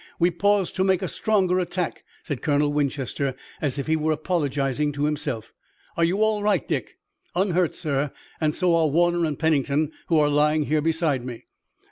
We pause to make a stronger attack," said Colonel Winchester, as if he were apologizing to himself. "Are you all right, Dick?" "Unhurt, sir, and so are Warner and Pennington, who are lying here beside me."